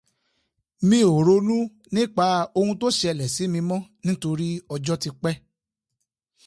Mi ò ronú nípa oun tó ṣẹlẹ̀ sí mi mọ́, nítorí ọjọ́ ti pẹ́